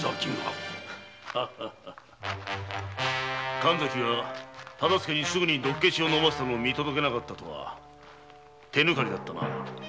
神崎がすぐに毒消しを飲ませたのを見届けなかったとは手抜かりだったな。